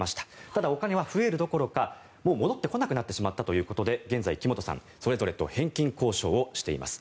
ただ、お金は増えるどころかもう戻ってこなくなってしまったということで現在、木本さんはそれぞれと返金交渉をしています。